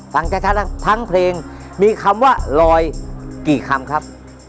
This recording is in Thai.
ฟังชัดแล้วทั้งเพลงมีคำว่าลอยกี่คำครับ